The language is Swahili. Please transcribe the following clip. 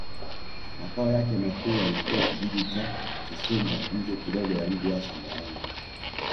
Makao yake makuu yalikuwa Kijiji cha Kisumba nje kidogo ya mji wa Sumbawanga